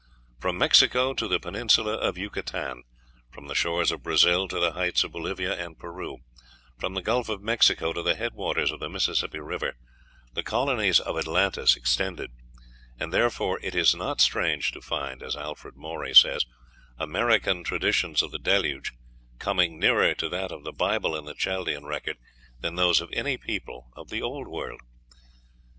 From Mexico to the peninsula of Yucatan, from the shores of Brazil to the heights of Bolivia and Peru, from the Gulf of Mexico to the head waters of the Mississippi River, the colonies of Atlantis extended; and therefore it is not strange to find, as Alfred Maury says, American traditions of the Deluge coming nearer to that of the Bible and the Chaldean record than those of any people of the Old World.